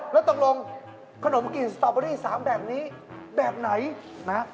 อ๋อแล้วตรงขนมกลิ่นสตรอเบอร์รี่๓แบบนี้แบบไหนนะ